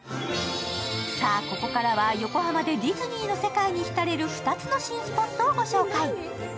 さぁ、ここからは横浜でディズニーの世界にひたれる２つの新スポットをご紹介。